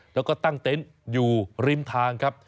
แล้วก็ตั้งเต็นต์อยู่ริมทางครับ